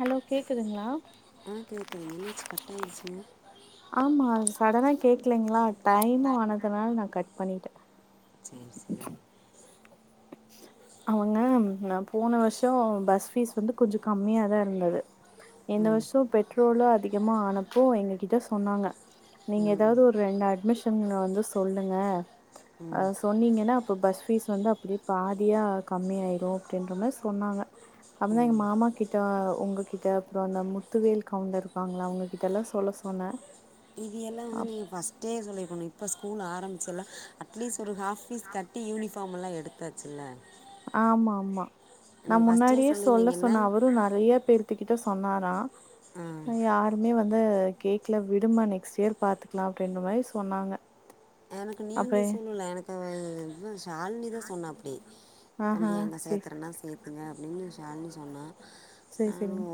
Hello கேக்குதுங்களா ஆ கேக்குதுங்க என்னாச்சி கட் ஆயிச்சி ங்க ஆமா சடனா கேக்கலைங்களா டைமு அதனால நா கட் பண்ணிட்டே சேரி சேரி அவுங்க நா போன வருஷோ பஸ் ஃபீஸ் வந்து கொஞ்சோ கம்மியாதா இருந்தது இந்த ம் வருஷோ பெட்ரோல அதி யம்மா ஆனப்போ எங்க கிட்ட சொன்னாங்க நீங்க ம் ஏதாவது ம். ஒரு ரெண்டு அட்மிஷன் வந் ந்து சொல்லுங்க அ சொன்னீங்கன்னா அப்ப பஸ் பீஸ் வந்து அப் இப்டி பாதியா கம்மிய ஆயிடும் அப்டின்ற மாரி சொன்னாங்க அப்புடுதா எங்க மாமா கிட்ட உங்க கிட் ட அப்ற அ அந்த முத்துவேல் கவுண்ட இருக்காங்களா அவங்க கிட்ட எல்லா சொல்ல சொன்னே இது எல்லா வந்து நீங்க பஸ்ட்டே சொல்லிருக்கணு இப்ப சொ ஸ்கூல் ஆரம்புச்சில அட்லீஸ்ட் ஒரு ஹாஃப் பீஸ் கட்டி யூனிஃபாம் எல்லா எடுத்தாச்சுல்ல ஆமா மா மா நா நீங்கள் ஃபஸ்ட்டே முன்னாடியே சொல்ல சொல்லியிருந்தீங்கன்னா சொன்ன அவரும் நெறைய பேர்துக்கிட்ட ஸ் சொன்னாரா ஆ அ யாருமே வந் து கேக்ல விடுமா நெக்ஸ்ட் இயர் பாத்துக்கலா அப்டின்ற மாரி சொன்னாங்க எனக்கு அப்ப நீங்க சொல்லுல எனக்கு அவ இது ஷால்னி இத சொன்னாப்பிடி ம் ஹும் சேப் அங்க அப்டின்னு ஷால்னி சொன்னா சேரி சேரிங்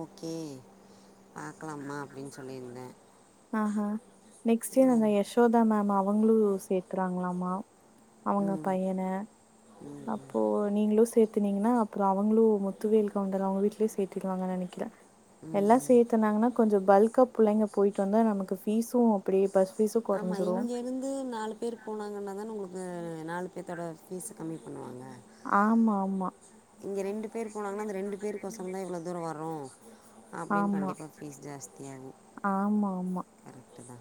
பாக்கலமா அப்டின் சொல்லிருந்தேன் ஆ ஹ நெக்ஸ்ட் இயர் அந்த யசோதா மேம் அவ் அவுங்ளு சேத்துறாங்ளாமா ஆ, அவுங்க ம் பையனை ம் அப்போ நீங்களு சேத்துனீங்கன்னா அப் அவுங்களு முத்துவேல் கவுண்டர் அவுங்க வீட்லயே சேத்திரு வாங்கனு நினைக்கிறேன் ம் எல்லா ம் சேத்துனாங்கன்னா கொஞ்ச பல்கா புள்ளைங்க டு வந்தா நமக்கு பீஸும் அப்டியே பஸ் ஃபீஸு ஆமா கொறஞ்சிரு இங்க இருந்து நாலு பேரு போனாங்கன்னா தான உங்களுக் அ நாலு பேத்தோட பீஸ் கம்மி பண்ணுவாங்க ஆ மா மா இங்க ரெண்டு பேர் போனாங்கான அந்த ரெண்டு ஒசரம் தா இவ்ள தூரம் வ ரும் அப்டின் ஆமா கண்டிப்பா பீஸ் ஜாஸ்தியாகும் ஆமா ஆமா கரட்டு தா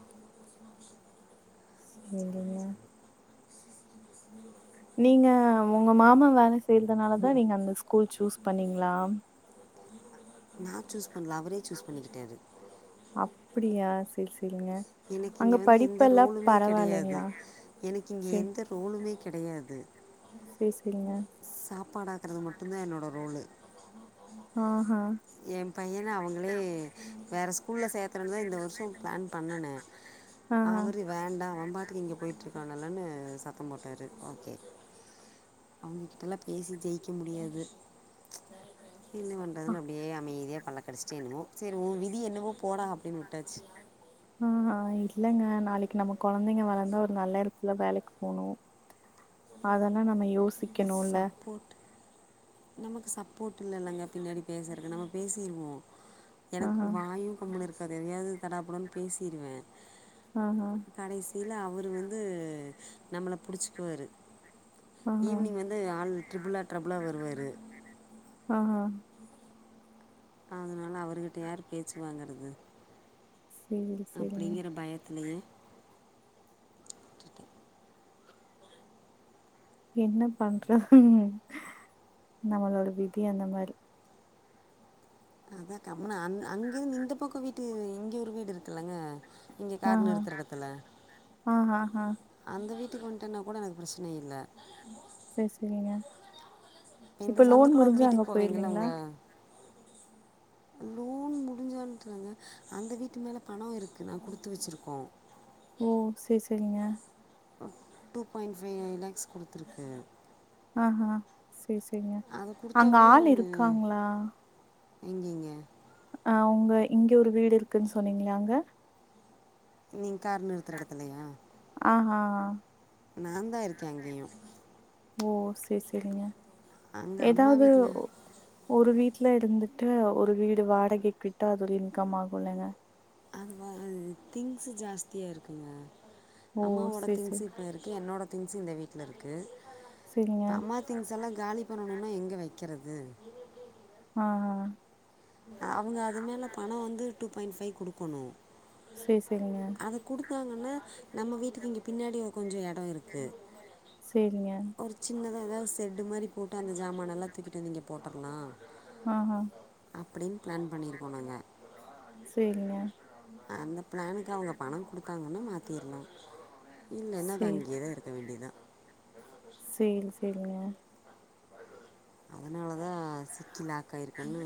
செரிங்க நீங்க உங்க மாமா வேலை செய்யறதுனாலதான் நீங்க அந்த ஸ்கூல் சூஸ் பண்ணீங்களா நான் சூஸ் பண்ணல அவரே சூஸ் பண்ணிக்கிட்டாரு அப்படியா சரி சரி எனக்கு இங்க வந்து எந்த ரோலுமே கிடையாது பரவாயில்லைங்களா எனக்கு இங்க எந்த ரோலுமே கிடையாது சேர் செரிங்க சாப்பாடாக்குறது மட்டும் தான் என்னோட ரோல் ஆஹ்ஹ பையனை அவங்களே வேறு ஸ்கூலில் சேர்த்துறேன்ன தான் இந்த வருஷம் பிளான் பண்ணேன் ஆஹா அவர் வேண்டாம் அவன் பா இங்க போயிட்டு இருக்கல்லனு சத்தம் போட்டாரு ஓகே அவங்ககிட்டல்லாம் பேசி ஜெயிக்க முடியாது என்ன பண்றதுன்ன அப்படியே அமைதியா பல்ல கடிச்சிட்டே என்னுவோம் சரி உன் விதி என்னவோ போடா அப்படின்னு விட்டாச்சு ஆஹ் ஆஹ் இல்லங்க நாளைக்கு நமக்கு குழந்தைங்க வளர்ந்தா ஒரு நல்ல இடத்துல வேலைக்கு போகணும் அதெல்லாம் நம்ம யோசி க்கணும் ல சப்போர்ட் நமக்கு சப்போ்ட் இல்லல்லங்க பின்னாடி பேசறக்கு நம்ம பேசிருவோம் ஆஹா எனக்கு வாயும் கம்முனு இருக்காது எதையாவது தடாப்புடன்னனு பேசிடுவேன் ஆஹ் ஆஹ இல்ல அவரு வந்து நம்மள புடிச்சுக்குவாரு ஆஹ ஆள் ட்ரிபிளா டபிளா வருவாரு ஆஹ் அதனால அவர்கிட்ட யார் பேச்சுவாங்கறது சேரி சேரிங்க அப்படிங்கற பயத்துலையே என்ன பண்றது நம்மளோட விதி அந்த மாதிரி அதான் கம்முனு அண்ண அங்க இருந்து இந்த பக்க வீட்டு வீட்டு இங்க ஒரு வீடு இருக்குலங்க இங்க கார் ஆஹா நிறுத்துற இடத்துல ஆஹா ஆஹா அந்த வீட்டு வெட்டி கொண்டேனா கூட எனக்கு பிரச்சனை இல்லை சே சேரிங்கா இந்த சந்துக்குள்ள வந்து வீட்டுக்கு போவீங்கள உங்க லோன் முடிஞ்சோனதான அந்த வீட்டு மேல பணோ இருக்கு நா குடுத்து வச்சிருக்கோ ஓ சே சேரிங்க டூ பாயிண்ட் ஃபை லேக்ஸ் குடுத்துருக்கு அஹ் சே சேரிங்க அங்க ஆள் இருக்காங்களா எங்கிங்க அவுங்க இங்க இங்க ஒரு வீடு இருக்குன்னு சொன்னீங்ளே அங்க நீ கார் நிறுத்துற எடத்துலையா ஆ நா தான் இருக்கே அங்கியு ஓ சே சேரிங்க அங்கே அம்மா ஏதாவது வீட்டில் ஒரு வீட்ல ட்ல இருந்துட்டு ஒரு வீடு வாடகைக்கு விட்டா அது ஒரு இன்கம் ஆகுல்லங்க அந்வ திங்க்ஸ் ஜாஸ்தியா இருக்குங்க ஓ அம்மாவோட சேரி திங்ஸ் சேரி இப்ப இருக்கு என்னோட திங்ஸு இந்த வீட்ல இருக்கு சேரிங்க இப்ப அம்மா திங்க்ஸ் எல்லா காலி பண்ணனு ன்னுனா எங்க வைக்கிறது ஆ ஆ அவுங்க அது மேல பணோ வந்து டூ பாயிண்ட் ஃபைவ் குடுக்கணு சே சேரிங்க இருக்காங்கன்னா நம்ம வீட்டுக்கு இங்க பின்னாடி ஒரு கொஞ்சோ எடோ இருக்கு சேரிங்க ஏதாது செட்டு மாரி போட்டு அந்த சாமானன்ல்லா தூக்கிட்டு வந்த நீங்க போட்டுடலா ஆ ஆஹ அப்பிடின் பிளான் பண்ணியிருக்கோ நாங்க சேரிங்க அந்த பிளானுக்கு அவுங்க பணம் குடுத்தாங்கன்னா மாத்திரலா இல்லன்னா அது சேரி அங்கேயேதா இருக்க வேண்டியதா சேரி சேரிங்க அதனாலதா சிக்கிலாக்க ஆயிருக்குன்னு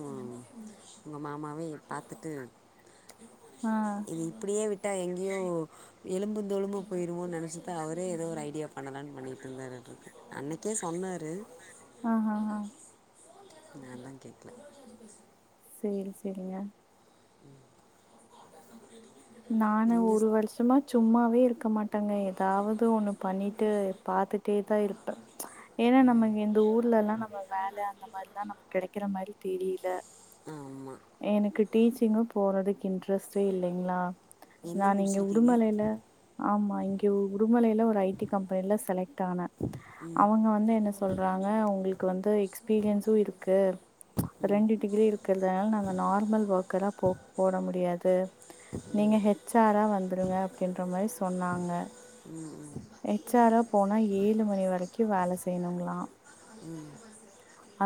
உங்க மாமாவே பாத்துட்டு ஆ இது இப்பிடியே விட் விட்டா எங்கேயோ எலும்பு தோலும்ம போயிருமோ நெனச்சிட்டு அவரே ஏதோ ஒரு ஐடியா பண்ணலானு பண்ணிகிட்டு இருந்தாட்ருக்கு அன்னைக்கே சொன்னாரு ஆஹாஹா நால்லா கேக்கல சேரி சேரிங்கா [unintelligible] நானு நீங்கள் ஒரு வருஷமா சும்மாவே இருக்க மாட்டேங்க ஏதாவது ஒன்னு பண்ணிட்டு பாத்துட்டே தா இருப்பே ஏன்னா நம்ம இந்த ஊர்ல எல்லா நம்ம வேல அந்த மாரி எல்லா நமக்கு கெடை க்கிற மாரி தெரியல ஆமாம் எனக்கு டீச்சிங்கு போறதுக்கு இன்ட்ரெஸ்டே இல்லைங்ளா என்ன நான் இங்க முடிச்சிருக்கீங்க உடுமலையில ஆமா இங்க உடுமலையில ஒரு ஐ டி கம்பெனியில செலக்ட் ஆனே அவுங்க வந்து என்ன சொல்றாங்க ஒங்களுக்கு வந்து எக்ஸ்பீரியன்ஸு இருக்கு ரெண்டு டிகிரி இருக்குறதுனால நாங்க நார்மல் ஒர்க்கரா எல்லா போ போட முடியாது [inaudible] நீங்க ஹெச் ஆரா வந்துருங்க அப்டின்ற மாரி சொன்னாங்க ம்ம் ஹெச் ஆரா போனா ஏழு மணி வரைக்கு வேல செய்யணுங்ளா உம்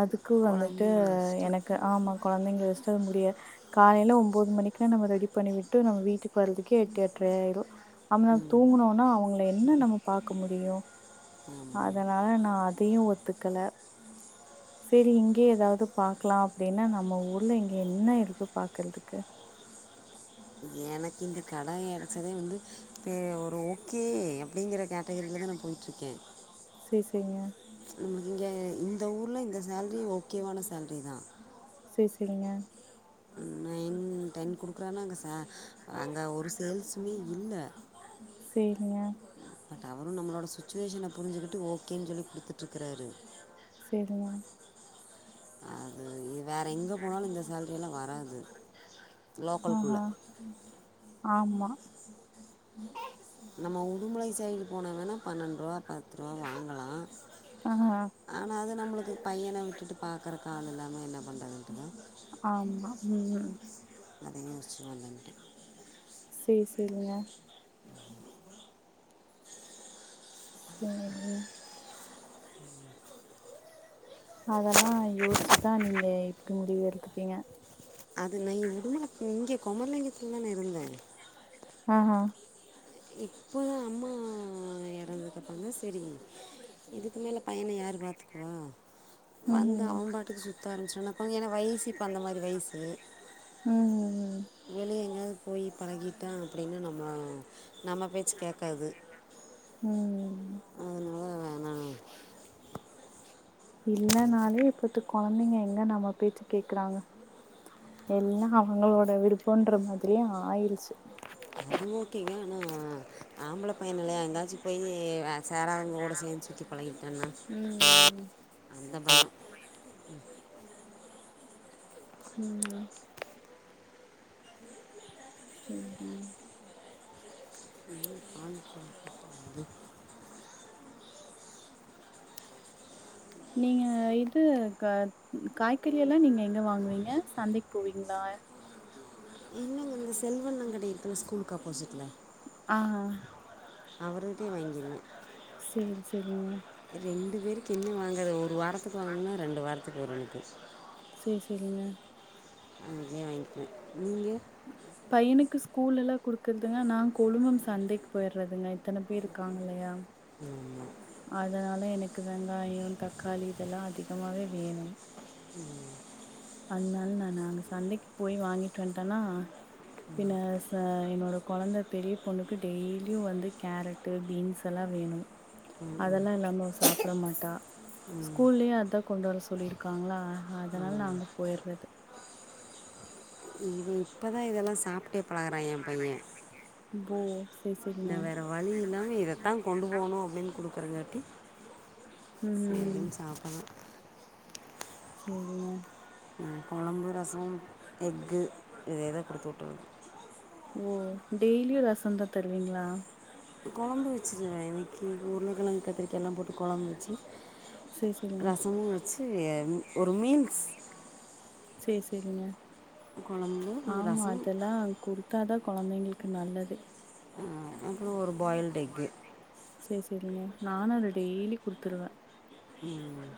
அதுக்கு வந்துட்டு எனக்கு ஆமா கொழந்தைங்க வச்சுட்டு முடியாது காலேல ஒம்போது மணிக்குல்லா நம்ம ரெடி பண்ணி விட்டு நம்ம வீட்டுக்கு வற்துக்கே எட்டு எட்றை ஆயிரு நம்ம தூங்குனோனா அவுங்கள என்ன நம்ம பாக்க முடியு ஆமாம் அதனால நா அதயு ஒத்துக்கல சேரி இங்கேயே ஏதாவது பாக்கலா அப்டின்னா நம்ம ஊர்ல இங்க என்ன இருக்கு பாக்குறதுக்கு எனக்கு இந்த கடே அடைச்சதே வந்து ஒகே ஒரு ஓகே அப்டிங்ற கேட்டகிரியில தா நா போய்ட்டுருக்கே சேரி சேரிங்க ந இங்க இந்த ஊர்ல் இந்த சேல்ரி ஓகேவான சேல்ரி தா சரிங்க நைன் டென் குடுக்குறானாங்க ச அங்க ஒரு சேல்ஸ்மே இல்ல சேரிங்க பட் அவரு நம்மளோடய சுட்டுவேஷன புரிஞ்சுக்கிட்டு ஓகேன்னு சொல்லி குடுத்துட்டு இருக்காரு சேரிங்க அது இது வேற எங்க போனாலு இந்த சேலரில்லா வராது லோக்கல்குள்ள ஆஹா ஆமா நம்ம உடுமுலை சைடு போன தான பன்னெண் ரூபா பத்த பத்து ரூபா வாங்கலா ஆஹா ஆனா அது நம்மளுக்கு பையன விட்டுட்டு பக்கறக்கு ஆள் இல்லாம என்ன பண்ணுறதுன்டுதா ஆம்மா ம் அதயு முடுச்சு வந்து வந்துட்டே சே சரிங்க சேரிங்க ம் அதெல்லா யோஸ்சு தா நீங்க இப்டி முடிவு எடுத்துக்கீங்க அது நா உடுமல இங்க குமரலிங்கத்துல தானே இருந்தேன் ஆ ஹும் இப்போதா அம்மா இறந்த அப்றந்தான் சரி இதுக்கு மேலே பையன யார் பாத்துக்குவா வந்து ம் அவன் பாட்டுக்கு சுத் தோனுச்சுனா அப்போ என வய்சி இப்ப அந்த மாரி வய்சு ம் வெளிய எங்கயாது போயி பழகிட்டான் அப்டின்னா நம்மோ நம்ம பேச்சு கேக்காது ம் அதுனால வேனா இல்லனாலே பட்டு கொழந்தைங்க எங்க நம்ம போச்சு கேக்றாங்க எல்லா அவங்களோட விருப்பன்ற மாதிரியே ஆயிருச்சு ம் ம் ஆம்பள பையன் இல்லயா எங்காச்சு போயி சோராதவங்க கூட சேந்து சுத்தி பழகிட்டான்னா ம் அந்த பயோம் ம் ம் ம் [unintelligible] நீ பான் பாத்து [unintelligible] நீங்க இது க காய்கறி எல்லா நீங்க எங்க வாங்குவீங்க சந்தைக் போவீங்ளா இல்லங்க இந்த செல்வ அண்ணே கட இருக்குல ஸ்கூலுக்கு அப்போசிட்ல ஆ அவுரு கிட்டே வாங்கிருவே சேல் சேலிங்க ரெண்டு பேருக்கு என்ன வாங்குற ஒரு வாரத்துக்கு வாங்னா ரெண்டு வாரத்துக்கு வரும் எனக்கு சேர் சேரிங்க அங்க பேய் வாங்கிவே நீங்க பையனுக்கு ஸ்கூல்ல எல்லா குடுக்குறதுங்க நா கொழுமம் சந்தைக்கு போயிடுறதுங்க இத்தன பேர் இருக்காங்க இல்லயா ம் ம் அதுனால எனக்கு வெங்காயோ தக்காளி இதெல்லா அதிகமாவே வேணும் ம் அதுனால நானு நாங்க சந்தைக்கு போயி வாங்கிட்டு வன்டனா பின்ன‌ ச என்னோட கொழந்த பெரிய பொண்ணுக்கு டெய்லியும் வந்து கேரட்டு பீன்ஸல்லா வேணும் அதெல்லா இல்லாம அவ சாப்ட மாட்டா ஸ்கூல்லயே அதா கொண்டு வர சொல்லிருக்காங்ளா அதுனால நா அங்க போயிர்றது இப்ப தா இதல்லா சாப் டே பழகுறா எ பைய ம் போ சேரி இன்ன சேரிங்க வேற வழி இல்லாம இதத்தா கொண்டு போனு அப்டின் குடு க்குறங்காட்டி ம் ம் ம் சேரின் சாப்பர்றா சேரிங்க அ கொழம்பு ரசம் எக்கு இத இத குடுத்து வுட்டுறது ஓ டெய்லியு ரசந்தா தருவிங்ளா? கொழம்பு வச்சுருவே இன்னக்கி உருளகெழங்கு கத்தரிக்காலாம் போட்டு கொழம்பு வச்சு சேர் செரிங்க ச்சு ஒரு மீல்ஸ் சேர் சரிங்க குழம்பு ஆமா ரசம் அதெல்லா குடுத்தாதா கொழந்தைங்கள்க்கு நல்லது ஆ அப்புறொ ஒரு பாயில் டெக்கு சேர் செரிங்க நானு அத டெய்லி குடுத்துருவ ம்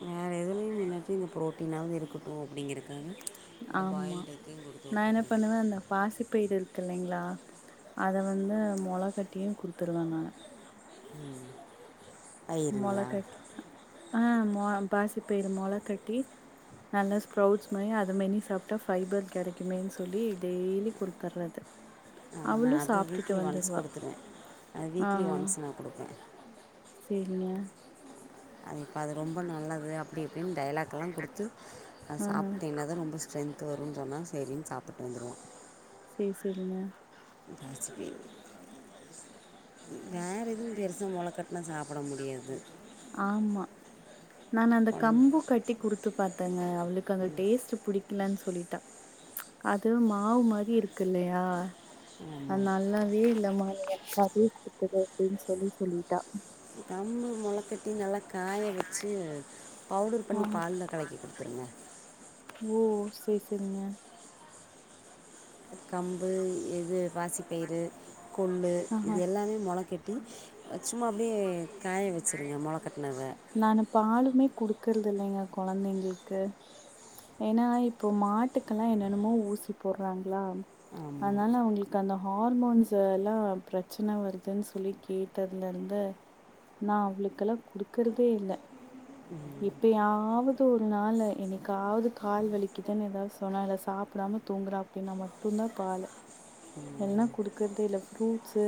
வேறு எதுலயும் இல்லாட்டி இந்த ப்ரோடீனாவ்து இருக்கட்டு அப்டிங்கிறக்காக ஆமா நா என்ன பண்ணுவ அந்த பாசிபயிறு இருக்கில்லைங்ளா அத வந்து மொளகட்டியு குடுத்திருவ நானு ம் மொளக்கட்டி அ ஆமா மா பாசிப்பயிறு மொள கட்டி நல்ல ஸ்ப்ரவுட்ஸ் மாரி அத மென்னி சாப்டா ஃபைபர் கெடைக்குமேன் சொல்லி டெய்லி குடுத்தர்றது ஆ நா அது வீக்லி ஒன்ஸ் குடுத்துருவ அது ஆ வீக்லி ஒன்ஸ் நா குடுப்பே சேரிங்க அது இப்ப அது ரொம்ப நல்லது அப்டி இப்டின் டைலாக்குலா குடுத்து அது ஆ சாப்டின்னதா ரொம்ப ஸ்ட்ரென்து வருன் சொன்னா சேரின் சாப்புட்டு வந்துருவா சேர் சேரிங்க பாசிப்பயிறு வேற எதுவு பெருசா மொளகட்னா சாப்புட முடியாது ஆமா நானு அந்த குழந்தை கம்பு கட்டி குடுத்து பாத்தங்க அவுளுக்கு அத டேஸ்ட்டு புடி இல்லன் சொல்லிட்டா அது மாவு மாரி இருக்குல்லயா அது ஆமாம் நல்லாவே இல்ல மாவ் வு எனக்கு அதுவே குடுத்துரு அப்டின் சொல்லி சொல்லிட்டா கம்பு மொளக்கட்டி நல்லா காய வெச்சு பவுடர் ஆ பண்ணி பால்ல கலக்கி குடுத்துருங்க ஓ சேர் சேரிங்க கம்பு எது பாசிப்பயிரு கொல்லு இது ஆஹா எல்லாமே மொள கெட் த்து அத் சும்மா அப்டியே காய வெச்சுருங்க மொள கட்னத இருக்குறது இல்லைங்க கொழந்தைங்களுக்கு ஏன்னா இப்போ மாட்டுக்கெல்லா என்னென்னமோ ஊசி போடுறாங்களா ஆமாம் அதனால அவங்களுக்கு அந்த ஹார்மோன்ஸ் எல்லாம் பிரச்சன வருதுன் சொல்லி கேட்டதுல இருந்து நா அவளுக்கெல்லா குடுக்கறதே இல்ல எப்பயாவது ஒரு நாளு என்னைக்காவது கால் வலிக்குதன் எதாவது சொன்னா இல்ல சாப்புடாம தூங்குறா அப்டின்னா மட்டுந்தா பாலு இல்லன்னா குடுக்குறதே இல்ல ஃப்ரூட்ஸு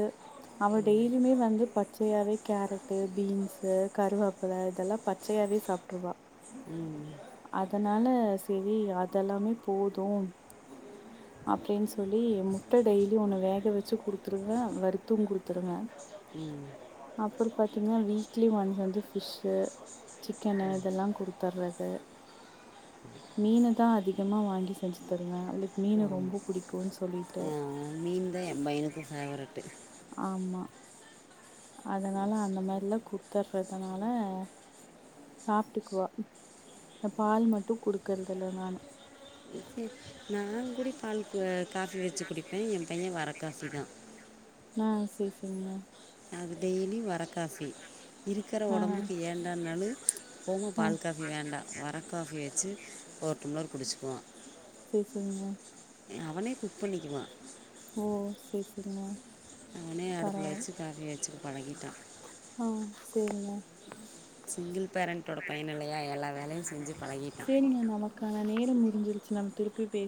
அவ டெய்லியுமே வந்து பச்சையாவே கேரட்டு பீன்ஸு கருவேப்புள்ள இதெல்லா பச் பச்சையாவே சாப்ட்ருவா அதனால சேரி அதெல்லாமே போதும் அப்டின் சொல்லி முட்ட டெய்லி ஒண்ணு வேக வெச்சு குடுத்துருவ வறுத்தும் குடுத்துருவ அப்புறோ பாத்தீங்கன்னா வீக்லி ஒன்ஸ் வந்து ஃபிஷ்ஷு சிக்கனு இதெல்லா கொடுத்தர்றது மீனதா அதிகமா வாங்கி செஞ்சு தருவ அவளுக்கு மீனு ரொம்போ புடிக்குன் சொல்லிட்டு ந்தா எம் பையனுக்கு ஃபேவரட்டு ஆமா அதனால அந்த மாதிரில்லா குடுத்தர்றதுனால சாப்ட்டுக்குவா இந்த பால் மட்டு குடுக்கறதல்ல நானு ம் நாங் கூடி பால் க காஃபி வெச்சு குடிப்பே எம் பைய வரக் காஃபிதா ஆ சேர் சேரிங்க அது டெய்லி வரக்காஃபி இருக்குற ஆ ஒடம்புக்கு ஏண்டா நாலு போங்கும் ஆ பால் காஃபி வேண்டா வர காஃபி வெச்சு ஒரு டம்ளர் குடுச்சுக்குவா சேர் சேரிங்க அவனே குக் பண்ணிக்குவா ஓ சேர் சேரிங்க அவனே அடுப்புல பரவால்ல வெச்சு காபி வெச்சுக்க பழகிட்டா ஆ சேரிங்க சிங்கில் பேரண்ட்டோட பையன் இல்லையா எல்லா வேலையு செஞ்சு பழகிட்டா முடுஞ்சுருச்சு நம் திருப்பி பேஸ்